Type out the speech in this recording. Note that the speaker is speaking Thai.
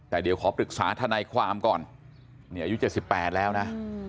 แต่เดี๋ยวขอปรึกษาธนาความก่อนเนี่ยอายุเจ็ดสิบแปดแล้วนะ